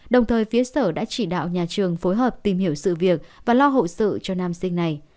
đồng thời phía sở đã chỉ đạo nhà trường phối hợp tìm hiểu sự việc và lo hậu sự cho nam sinh này